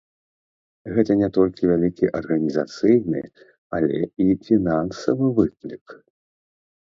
Гэта не толькі вялікі арганізацыйны, але і фінансавы выклік.